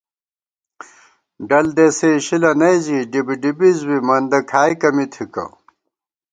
ڈل دېسے اِشِلہ نئ زی ڈِبڈِبِز بی مندہ کھائیکہ می تھِکہ